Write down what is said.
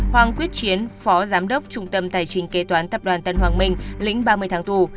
hoàng quyết chiến phó giám đốc trung tâm tài chính kế toán tập đoàn tân hoàng minh lĩnh ba mươi tháng tù